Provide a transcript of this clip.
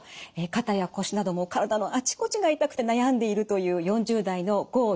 肩や腰など体のあちこちが痛くて悩んでいるという４０代の郷喜子さん。